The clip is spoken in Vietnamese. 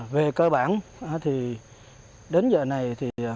về cơ bản thì đến giờ này thì